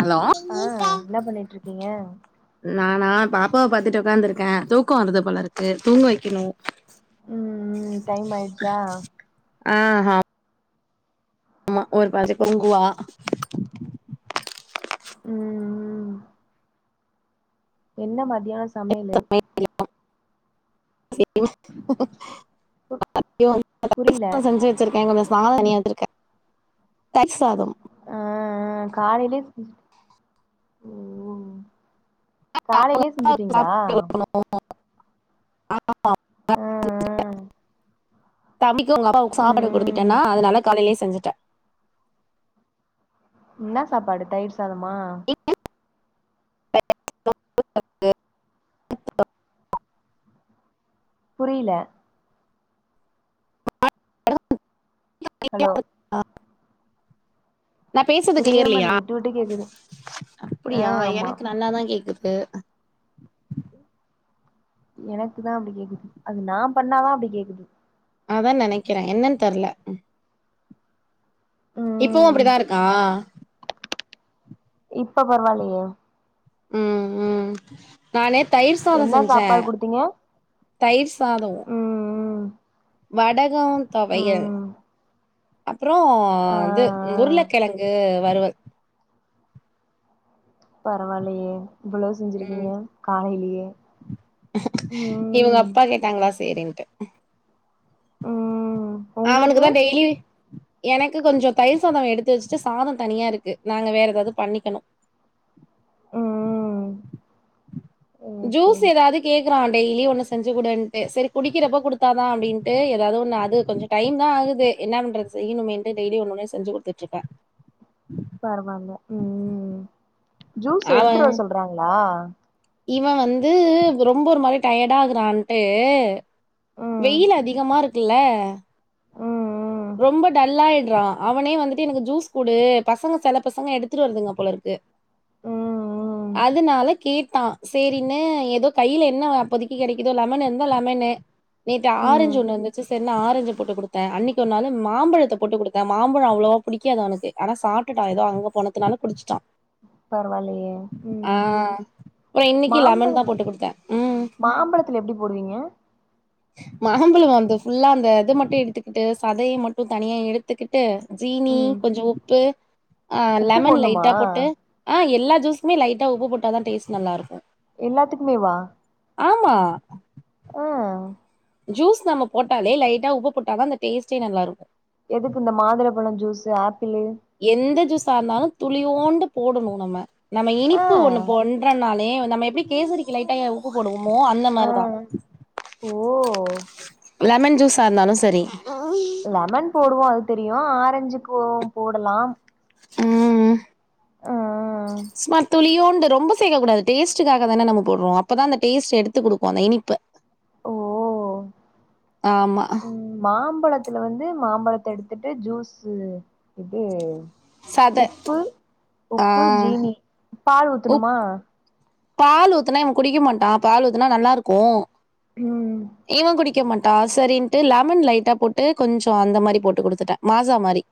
Hello ஆ என்ன பண்ணிட்டுருக்கீங்க நானா பாப்பாவ பாத்துட்டு உக்காந்துருக்க தூக்கொ வருது போல இருக்கு தூங்க வைக்கணு ம் ம் டைம் ஆயிருச்சா அ ஆ ஆமா ஒரு பாதி ம் பொங்குவா ம் ம் என்ன மதியானோ சமையலு இப் பப் [unintelligible] பு அப்டியூ பிஸ் புரில செஞ்சூ வச்சிருக்கோங்க மிஸ் சாதே தனியா வச்சிருக்கே தயிர் சாதம் ஆ ஆ காலிலி ம் ம் காலையிலே செஞ்சுட்டீங்களா [inaudible] ஆ ஆ தம்பிக்கு அவங்க அப்பாவுக் ம் சாப்பாடு ம் குடுத்துட்டேனா அதனால காலைலே செஞ்சட்ட இன்ன சாப்பாடு தயிர் சாதமா [inaudible] புரியில [inaudible] ஹலோ நா பேசது புரியவே கிளியரில்லியா மாட்டுது விட்டு விட்டு கேக்குது ஆ அப்டியா ஆமா எனக்கு நல்லாதா கேக்குது எனக்கு தா அப்டி கேக்குது அது நா பண்ணாதா அப்டி கேக்குது அதா நெனைக்கிறே என்னன்னு தெர்ல இப்பவூ ம் அப்படி தா இருக்கா இப்ப பரவால்லயே ம் ம் நானே தயிர் சாதோ என்ன செஞ்செ சாப்பாடு குடுத்தீங்க தயிர் சாதோ ம் வடகோ தொவையல் ம் அப்றோ ஆ ஆ வந்து உர்ளக்கெழங்கு வருவல் பரவால்லயே இவ்வளோ ம் செஞ்சிருக்கீங்க காலயிலயே இவங்க அப்பா கேட்டாங்களா செரின்ட்டே ம் உங்களுக்கு அவனுக்குதா டெய்லியூ எனக்கு கொஞ்சோ தயிர் சாதோ எடுத்து வெச்ட்டு சாதோ தனியா இருக்கு நாங்க வேற ஏதாது பண்ணிக்கணோ ம் ஹூம் ஜூஸ் ஏதாது கே நா டெய்லி ஒன்னு செஞ்சு குடுன்டு செரி குடிக்கறப்ப குடுத்தாதா அப்டின்ட்டு ஏதாது ஒன்னு அது கொஞ்சோ டைம் தா ஆகுது என்ன பண்றது செய்யணுமேன்தெ டெய்லி ஒன்னு ஒன்னூ செஞ்சு குடுத்துட்டு இருக்கே [inaudible] பரவால ம் ம் ஜூஸ் அவ எடுத்துட்டு வர சொல்றாங்களா இவ வந்து ரொம்ப ஒரு மாரி டயர்டா ஆகுறான்ட்டு ம் வெயில் அதிகமா இருக்குல்ல ம் ம் ரொம்ப டல்லாய்ட்றா அவனே வந்துட்டு எனக்கு ஜூஸ் குடு பசங்க செல பசங்க எடுத்துட்டு வருதுங்க போலருக்கு ம் ம் அதனால கேட்டா செரின்னு ஏதோ கையில என்ன அப்பொதக்கி கெடைக்குதோ லெமன் இருந்தா லெமனு நேத்து ம் ம் ஆரஞ்சு ஒன்னு இருந்துச்சு செரின்னு ஆரஞ்சு போட்டு குடுத்தே அன்னிக் ஒர்நாளூ மாம்பழத்த போட்டு குடுத்தே மாம்பழோ‌ அவ்ளோவா புடிக்காது அவனுக்கு ஆனா சாப்ட்டுட்டா ஏதோ அங்க போனதுனால குடிச்சுட்டா பரவாயில்லையே ஆ ம் ஒ இன்னிக்கூ மாம்பழ லெமன் தா போட்டு குடுத்தெ ம் மாம்பழத்துல எப்டி போடுவீங்க மாம்பழோ வந்து ஃபுல்லா அந்த இது மட்டு எடுத்துக்கிட்டு சதய மட்டு தனியா எடுத்துக்கிட்டு ஜீனி ம் கொஞ்சோ உப்பு ஆ உப்பு லெமன் போடணுமா லைட்டா போட்டு ஆ எல்லா ஜுஸுக்மே லைட்டாஉப்பு போட்டா தா டேஸ்ட் நல்லாருக்கூ எல்லாத்துக்குமே வா ஆமா ஆ ஜுஸ் நம்ம போட்டாலே லைட்டா உப்பு போட்டாதா அந்த டேஸ்ட்டே நல்லாருக்கூ எதுக்கு இந்த மாதுளம்பழோ ஜுஸ்ஸு ஆப்பிளு எந்த ஜூஸா இருந்தாலு துளியோண்டு போடணு நம்ம நம்ம ஆ இனிப்பு ஒன்னு போ ட்றோனாலே நம்ம எப்டி கேசரிக்கி லைட்ட உப்பு போடுவோமோ அந்த ஆ மாரிதா ஓ லெமன் ஜூஸ்ஸா இருந்தாலூ செரி லெமன் போடுவோ அது தெரியூ ஆரஞ்சுக்கூ போடலா ம் ம் சும்மா துளியூண்டு ரொம்ப சேக்கக்கூடாது டேஸ்டுக்காகதான நம்ம போட்றோ அப்பதா அந்த டேஸ்ட் எடுத்து குடுக்கூ அந்த இனிப்பு ஓ ஆம்மா ம் மாம்பழத்துல வந்து மாம்பழத்த எடுத்துட்டு ஜூஸ்ஸூ இதூ சத உப்பு ஆ உப்பு ஜீனி பால் உப் ஊத்தணுமா பால் ஊத்துனா இவெ குடிக்க மாட்டா பால் ஊத்துனா நல்லாருக்கூ ம் இவங்குடிக் க்க மாட்டா சரின்ட்டு லெமன் லைட்டா போட்டு கொஞ்சோஅந்த மாரி போட்டு குடுத்துட்ட மாசா மாரி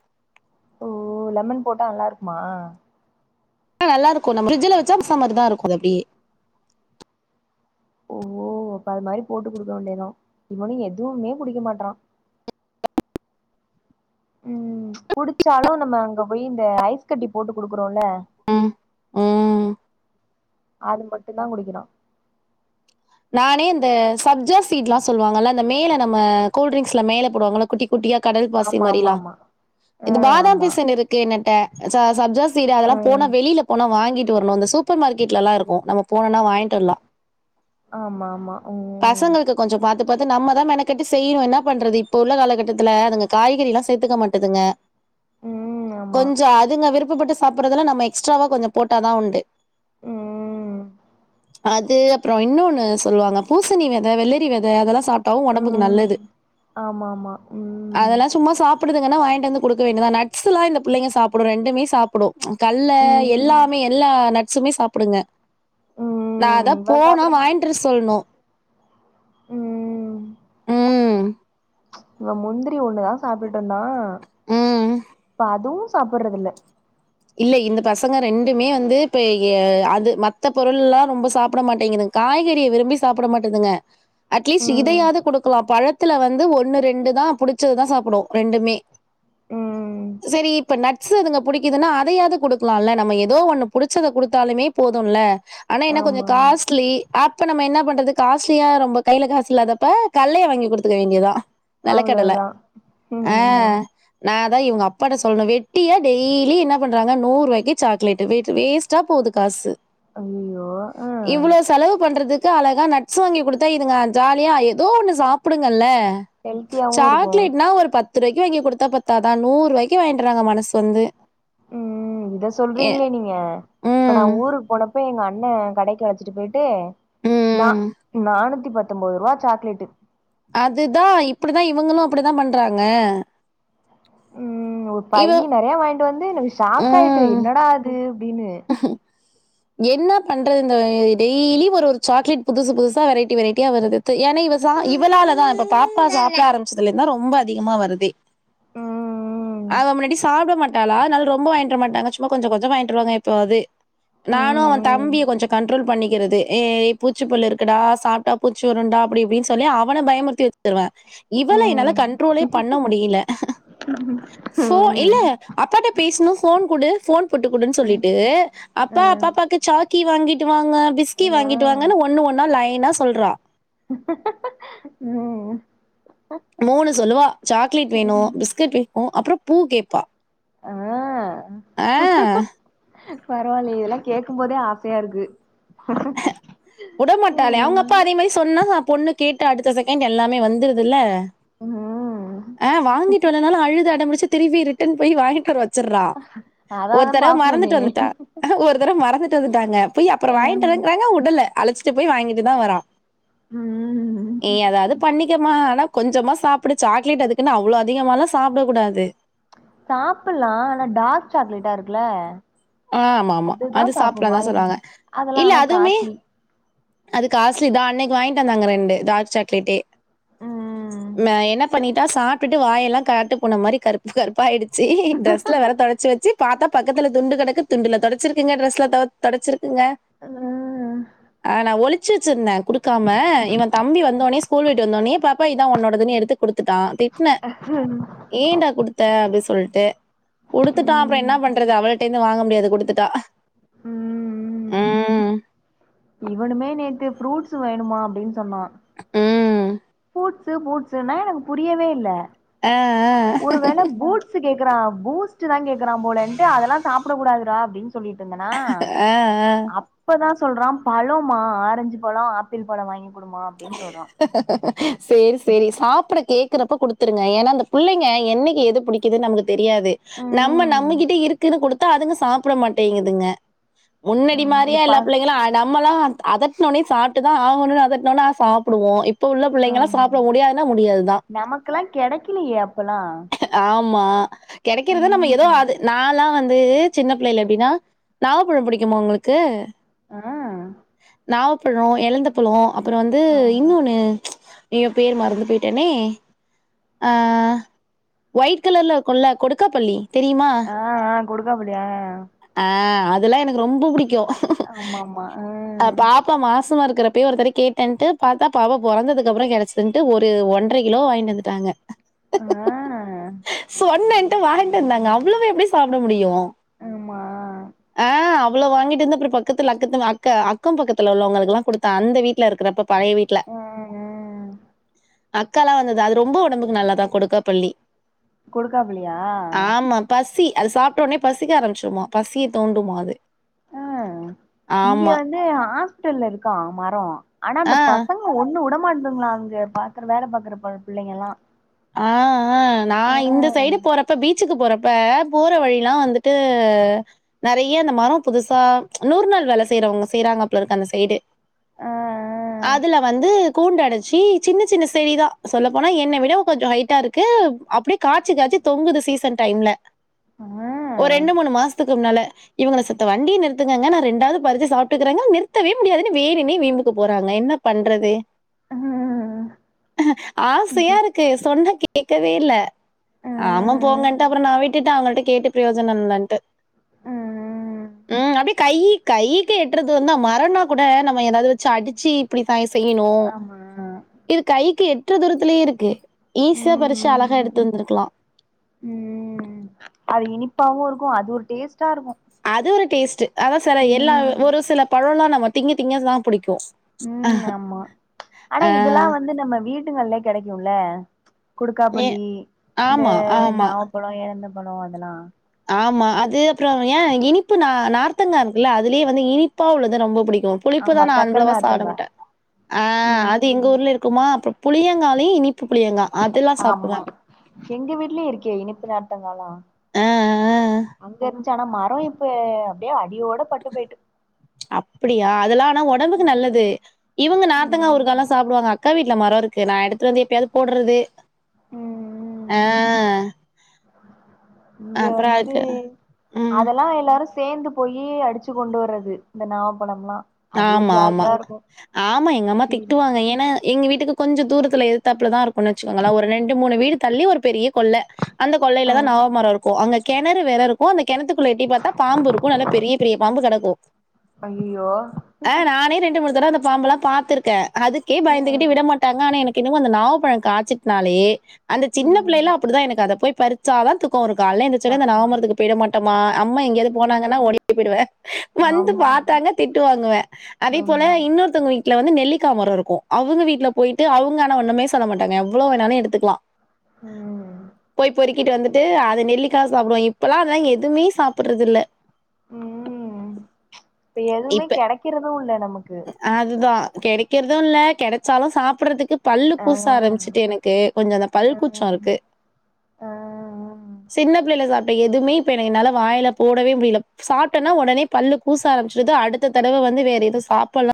ஓ லெமன் போட்டா நல்லாருக்குமா ஆ நல்லா இருக்கூ நம்ம ஃப்ரிஜ்ஜில வச்சா மாஸா மாரி தா இருக்கூ அது அப்டியே ஓ அப்ப அது மாதிரி போட்டு குடுக்க வேண்டியதா இவனு எதுவுமே குடிக்க மாட்றா ம் குடிச்சாலு நம்ம அங்க போய் இந்த ஐஸ் கட்டி போட்டு குடுக்குறோல்ல ம் ம் அது மட்டுந்தா குடிக்கிரா நானே இந்த சப்ஜா சீ்ட்ல்லா சொல்லுவாங்கல்ல அந்த மேல நம்ம கூல்ட்ரிங்க்ஸ்ல மேல போடுவாங்கள குட்டி குட்டியா கடல் பாசி ஆமா மாரில்லா ஆமா இது பாதாம் ஆமா பிசின் இருக்கு என்னட்ட ச ச சப்ஜா சீ சீட் ஆ அதெல்லாம் போனா வெளில போனா வாங்கிட்டு வரனுந்த சூப்பர் மார்கெட்லல்லா இருக்கூ நம்ம போனா வாய்ன்ட்டு வர்லா ஆமா ஆமா ம் பசங்களுக்கு கொஞ்சோ பாத்து பாத்து நம்மதா மெனக்கட்டி செய்யணு என்னா பண்றது இப்ப உள்ள காலகட்டத்துல அதுங்க காய்கறில்லா சேத்துக்க மாட்டுதுங்க ஆமா ஆமா கொஞ்சோ அதுங்க விருப்பப்பட்டு சாப்பிறதுல நம்ம எக்ஸ்ட்ராவா கொஞ்சொ போட்டாதா உண்டு ம் அது அப்புறொ இன்னொன்னு சொல்லுவாங்க பூசணி வெத வெள்ளரி வெத அதெல்லா சாப் ட்டா ம் ஆமா ம் ஒடம்புக்கு ம் நல்லது ஆமா ஆமா ம் அதெல்லா சும்மா சாப் ப்புடுதுங்கன்னா வாய்ன்ட்டு வந்து குடுக்க வேண்டியதா நட்ஸெல்லா இந்த புள்ளைங்க சாப்புடு ரெண்டுமே சாப்புடு கல்ல ம் எல்லாமே எல்லா நட்ஸுமே சாப்புடுங்க நா அதா ம் இவ சாப்ட மாட்டா ட்ரு சொல்ணு ம் ம் இவ முந்திரி ஒண்ணுதா சாப்ட்டுட்ருந்தா ம் அதுவு சாப்பிறது இல்ல இல்ல இந்த பசங்க ரெண்டுமே வந்து இப்ப அது மத்த பொருள் எல்லா ரொம்ப சாப்பிட மாட்டேங்குதுங்க காய்கறிய விரும்பி சாப்புட மாட்டுதுங்க அட்லீஸ்ட் ம் இதயாவ்து குடுக்கலா பழத் ழத்துல வந்து ஒண்ணு ரெண்டு தா புடிச்சதுதா சாப்புடு ரெண்டுமே ம் செரி இப்ப நட்ஸு அதுங்க புடிக்குதுன்னா அதையாவ்து குடுக்லால்ல நம்ம எதோ ஒண்ணு புடிச்சத குடுத்தாலுமே போதுல்ல ஆனா என்ன கொஞ்ச ஆமா ஆமா காஸ்ட்லி அப்ப நம்ம என்ன பண்றது காஸ்ட்லியா ரொம்ப கையில காசு இல்லாதப்ப கல்லைய வாங்கி கொடுக்க வேண்டியதா நிலக்கடல அவ்ளோதா ம் ஆ ஆமா நான் அதான் இவங்க அப்பாட சொல்லணும் வெட்டியா டெய்லி என்ன பண்றாங்க நூறு ரூவாய்க்கு சாக்லெட் வேஸ்டா போகுது காசு ஐயோ ஆ இவ்ளோ செலவு பன்ரதுக் க்கு அழகா நட்ஸ் வாங்கி கொடுத்தா இதுங்க ஜாலியா ஏதோ ஒண்ணு சாப்டுங்கல்ல ஹெல்த்தியாவு இருக்கு சாக்லேட்னா ஒரு பத்து ரூபாய்க்கு வாங்கி கொடுத்தா பத்தாதான் நூறு ரூய்க்கு வாங்கிடுறாங்க மனசு வந்து ம் இத எ சொல்றீங்களே நீங்க இப்ப ம். நான் ஊருக்கு போனப்ப எங்க அண்ணன் கடைக்கு அழச்சிட்டு போயிட்டு நா ம். நானூத்தி பத்தொன்பது ரூபா சாக்லேட்டு அதுதா இப்பிடிதா இவுங்களு அப்படிதா பண்றாங்க பை இவ நறையா வாய்ன்ட்டு வந்து எனக்கு ஷாக் ஆயிட்டு ம். என்னடாது அப்டின்னு என்னா பண்றது இந்த டெய்லி ஒரு ஒரு சாக்லேட் புதுசு புதுசா வெரைட்டி வெரைட்டியா வருது து ஏன்னா இவ சா இவளாலதா இப்ப பாப்பா சாப்ட ஆரம்பிச்சதுல இருந்தா ரொம்ப அதிகமா வருதே ம் அவ முன்னாடி சாப்ட மாட்டாலா அதனால ரொம்ப வாங்ட்டு வர மாட்டாங்க சும்மா கொஞ்ச கொஞ்ச வாங்கிட்டுவருவாங்க ப்போ அதே நானும் அவன் ம் தம்பியை கொஞ்சம் கன்ரோல் பண்ணிக்கிறது ஏய் பூச்சிப்பல்லு இருக்குடா சாப்ட்டா பூச்சுவருண்டா அப்டி இப்டின்னு சொல்லி அவனை பயமுறுத்தி வெச்சிருவன் ம் ம் ம் இவளை என்னால கண்ட்ரோலே பண்ண முடியல ஃபோ இல்ல அப்பாட்ட பேசணு ஃபோன் குடு போன் போட்டுக்குடுன்னு ம் சொல்லிட்டு அப்பா அப்பா ம் அப்பாப்பாக்கு சாக்கி வாங்கிட்டு வாங்க பிஸ்கி வாங்கிட்டு வாங்கன்னு ஒண்ணு ஒன்னா லைனா சொல்றா ம் மூணு சொல்லுவா சாக்லேட் ம் ம் வேணும் பிஸ்கட் வேணும் அப்றோ பூ கேட்பா ஆ ஆ. பரவாயில்லை இதெல்லா கேக்கும்போதே ஆசையா இருக்கு விடமாட்டே அவங்க ம் அப்பா அதே மாரி சொன்னாா பொண்ணு கேட்டு அடுத்த செகண்ட் எல்லாமே வந்துருது இல்ல ம் ஆஹ் வாங்கிட்டு வந்தனாலும் அழுது அட முடிச்சு திருபி ரிட்டன் போய் வாங்கிட்டு வச்சிடறா அதா ஒரு அதா தடவ பாப்பேனே மறந்துட்டு வந்துட்டா ஒரு தடவ மறந்துட்டு வந்துட்டாங்க போய் அப்றோ ஆ வாங்கிட்டுங்கிறாங்க உடல அழச்சிட்டு போய் வாங்கிட்டு தான் வரா ம் நீ எதாவது பண்ணிக்கமா அனா கொஞ்சமா சாப்டு சாக்லேட் அதுக்குன்னு அவ்ளோ அதிகாம்ல்லா சாப்ட கூடாது சாப்ட்லா ஆனா டார்க் சாக்லேட்டா இருக்குல ஆ ஆமா ஆமா அதுதா அது சாப்டல அத சாப்பட்ணு தான் அது சொல்ல வந்தே அதெல்லா இல்ல ஆனா அதுமே காஸ்ட்லி அது காஸ்ட்லி தான் அன்னைக்கு வாங்கிட்டுவந்தாங்க ரெண்டு டார்க் சாக்லேட்டு ம் என்ன பண்ணிட்டா சா ப்ட்டு வாயெல்லா காட்டு பூன மாரி கருப்பு கருப்பா ஆயிடுச்சு ட்ரெஸ்ல வேற தொடச்சி வெச்சு பாத்தா பக்கத்துல துண்டு கடக்கு துண்டுல தொடைச்சிருக்குங்க ட்ரெஸ்ல தொடைச்சிருக்குங்க ஆ ஆ நான் ஒளிச்சு வெச்சிருந்தேன் குடுக்காம இவன் தம்பி வந்த ஒடனே ஸ்கூல் வீட்டு வந்தோடனே பா ப்பா இத உன்னோடதுன்னு எடுத்து குடுத்துட்டான் திட்டன ஏன்டா குடுத்த அப்டி சொல்லிட்டு கொடுத்துட்டா அப்பறம் ம் என்ன பண்றது அவளிட்டே இருந்து வாங்க முடியாது குடுத்துட்டா ம் ம். இவனுமே நேத்து ஃப்ரூட்ஸ் வேணுமா அப்டின்னு சொன்னா ம் புட்சு புட்சுன்னா எனக்கு புரியவே இல்ல ஆ, ஆ. ஒரு வேள பூட்ஸ் கேக்குறா பூஸ்ட் கேக்குறா போலன்ட்டு அதெல்லா சாப்ட கூடாதுடா அப்டின் சொல்லிட்டு இருந்தேனா ஆ, ஆ. அப் இப்பதா சொல்றா பழமா ஆரஞ்சு பழோ ஆப்பிள் பழோ வாங்கி குடுமா அப்டின்னு சொல்றா சேரி சேரி சாப்ட கேக்குறப்ப குடுத்துருங்க ஏன்னா அந்த புள்ளைங்க என்னைக்கு எது புடி குது நமக்கு தெரியாது நம்ம ம் நம்ம கிட்ட இருக்குதுன்னு குடுத்தா அதுங்க சாப்ட மாட்டேங்குதுங்க முன்னாடி ஆமா அந்த மாரியா ப எல்லா பிள்ளைங்களு நம்மெல்லா அதட்ன ஒன்னே சாப்ட்டுதா ஆகணு அதட் இன்னொன்னா சாப்டுவோ இப் இப்ப உள்ள பிள்ளைங்களா ஆமா சாப்ட முடியாதுன்னா முடியாதுதா நமக்கெல்லா கெடைக்கலையே அப்பல்லா ஆமா கெடைக்கிறத நம்ம ஏதோ ம் அது நாலா வந்து சின்ன பிள்ளையில எப்டின்னா நாவப்பழோ புடிக்குமா உங்களுக்கு ஆ நாவப் ழோ எலந்த பழோ அப்றோ வந்து ஆமா இன்னொன்னு ஐயோ பேர் மறந்து போயிட்டேனே ஒயிட் கலர்ல இருக்கோல்ல கொடுக்கா பள்ளி தெரிமா ஆ ஆ கொடுக்க புளி ஆ ஆ அதெல்லா எனக்கு ரொம்ப புடிக்கு ஆமா ஆமா ஆ பாப்பா மாசமா இருக்கிறப்பயே ஒருத்தட கேட்டேன்ட்டு பாத்தா பாப்பா பொறந்ததுக்கு அப்பறம் கிடச்சு ட்டு ஒரு ஒன்றரை கிலோ வாங்கிட்டு வந்துட்டாங்க ஆ சொன்னேன்ட்டு வாங்ட்டு வந்தாங்க அவ்ளவு எப்டி சாப்ட முடியும் ஆமா ஆ அவ்ளோ வாங்கிட்டு வந்து அப்றோ பத்துல அக்கத்து அக்க அக்கம் பக்கத்துல உள்ளவங்களுக்கு எல்லா குடுத்த அந்த வீட்ல இருக்குறப்ப பழைய வீட்ல ஆ ஆ அக்காலா வந்தது அது ரொம்ப ஒடம்புக்கு நல்லாதா கொடுக்கா புளி கொடுக்காப்புளியா பசி அது சாப்ட ஒன்னே பசிக்க ஆரம்பிச்சிடுமா பசிய தூண்டுமா அது ஆ இங்க ஆமா வந்து ஹாஸ்பிட்டல்ல இருக்கா மரோ ஆனா அந்த ஆ பசங்க ஒன்னு உடமாட்டுதுங்ளா அங்க பாக்குற வேல பாக்குற ப பிள்ளைங்கல்லா ஆ ஆ நா ஆ இந்த சைடு போற அப்ப பீச்சுக்கு போறப்ப போற வழில்லா வந்துட்டு நறைய அந்த மரோ புதுசா நூறு நாள் வேல செய்றவங்க செய்றாங்க போல அந்த சைடு ஆ அதுல வந்து கூண்டு அடைச்சி சின்ன சின்ன செடி தா சொல்ல போனா என்ன விட கொஞ்சோ ஹைட்டா இருக்கு அப்டியே காச்சி காச்சி தொங்குது சீசன் டைம்ல ஆ ஒரு ரெண்டு மூணு மாசத்துக்கு முன்னால இவங்கள சத்த வண்டிய நிறுத்துங்கங்க நா ரெண்டாவது பறிச்சி சாப்டுக்குறேன்னா நிறத்தவே முடியாதுன்னு வேனுன்னே வீம்புக்கு போறாங்க என்ன பண்றது ஆ ஆசையா இருக்கு சொன்னா கேக்கவே இல்ல ஆ ஆ ஆமா போங்கன்ட்டு அப்றோ நா விட்டுட்டே அவுங்கள்ட கேட்டு பிரயோனோ இல்லன்ட்டு ம் ம் அப்டியே கை கையிக்கு எட்றது தூரோந் தா மரோன்னா கூட நம்ம ஏதாவது சே அடிச்சி இப்புடிதா செய்யணு ஆமா இது கைக்கு எட்ற தூரத்துலயே இருக்கு ஈஸியா பறிச்சு அழகா ம் எடுத்து வந்திருக்கலா ம் அது இனிப்பாவு இருக்கு அது ஒரு டேஸ்ட்டா இருக்கு அதுல டேஸ்ட் அதா செல எல்லா ம் ஒரு சில பழோல்லா நம்ம திங்க திங்கதா புடிக்கு ம் ஆமா ஆனா இதெல்லா வந்து நம்ம வீடுங்கள்லே கெடைக்கும்ல ஏ கொடுக்காப்புளி இந்த ஆமா, ஆமா, நாவப்பழோ எலந்த பழோ அதெல்லா ஆமா அது அப்றோ ஏயே இனிப்பு நா நார்த்தங்கா இருக்குல்ல அதுலயே வந்து இனிப்பா உள்ளது ரொம்ப புடிக்கு புளிப்புதா ஆமா நா சக்கர அவ்ளவா நார்த்தங்கா சாப்டமாட்டே அது எங்க ஊர்ல இருக் இருக்குமா அப்றோ புளியங்காலையு இனிப்பு புளியங்கா அதெல்லாம் ஆமா சாப்பிடுவேன். எங்க வீட்லயே இருக்கே இனிப்பு நார்த்தங்காலா அ, அ, அ. அங்க இருந்துச்சி ஆனா மரோ இப்ப அப்டியே அடியோட பட்டு போயிட்டு அப்டியா அதெல்லா ஆனா உடம்புக் நல்லது இவுங்க நார்த்தங்கா ஊருகாலா சாப்டுவாங்க அக்கா வீட்ல மரோ இருக்கு நா எடுத்ட்டு வந்து எப்பயாவது போடுறது ஹே ம் இங்க வந்து அதுக்கு ம் அதெல்லா எல்லாரு சேந்து போயி அடிச்சு கொண்டு வர்றது இந்த நாவப்பழம்லா அது ஒரு ஆம்மா ஆமா ஜாலியா இருக்கு ஆமா எங்க அம்மா கீழ திட்டுவாங்க ஏனா எங்க வீட்டுக் கொஞ்ச தூரத்தில் எகுத்தாப்பல தா இருக்கும்ன்னு வெச்சுக்கோங்ளே ஒரு ரெண்டு மூணு வீடு தள்ளி ஒரு பெரிய கொள்ள அந்த ஆ கொள்ளைல தா நாவமரம் இருக்கு அங்க கெணறு வேற இருக்கு அந்த கெணத்துக்குள்ள எட்டி பார்த்தா பாம்பு இருக்கு நல்லா பெரிய பெரிய பாம்பு கெடக்கு ஐய்யய்யோ ஆ நானே ரெண்டு மூணு தடவ் அந்த பாம்பல்லா பாத்திருக்கே அதுக்கே பயந்துகிட்டு ம் விட மாட்டாங்க ஆனா எனக் இன்னமு அந்த நாவ பழம் காச்சிருந்தாலே அந்த சின்ன ம் பிள்ளைள அப்டிதா எனக்கு அத போய் பறி ச்சாதா துக்கம் வரு காலைல எத்திரிச்சனே உடனே அந்த ஆமா நாவமரத்துக்கு போயிட மாட்டமா அம்மா எங்காவது போனாங்கன்னா ம் ஓடி ப்படுவே வந்து ஆமா பாத்தாங்னா திட்டு வாங்குவே அதே போல ஆமா இன்னொருத்தங்க வீ வீட்ல வந்து நெல்லிக்கா மரம் இருக்கு அவுங்க வீட்ல போய்ட்டு அவுங்க அனா ஒண்ணுமே சொல்ல மாட்டாங்க எவ்ளோ வேணாலு எடுத்துக்லா ம் போய் போரிக் கிட்டு வந்துட்டு அத நெல்லிக்கா சாப்டுவோ இப்பல்லா அதல்லா எதுமே சாப்டறதுல்ல உம் இப்ப எதுவ்மே கெடைக்கறது இல்ல நமக்கு அதுதா கெடைக்றது இல்ல கெடச்சாலுத சாப்படுறதுக் இல்ல பல்லு ஆ கூச ஆரம்பிச்ட் எனக்கு கொஞ்ச அந்த பல் ஆ கூச்சோ இருக்கு ஆ சின்னப்பிள்ளைல சாப்ட் இப்ப எதுவு்மே இப்ப எனக்கு என்னால வாய்ல போடவே முடில சாப்ட்டனா ஒடனே பல்லு கூச ஆரம் அடுத்த தடவ வந்து வேற எதுவ் சாப்படலா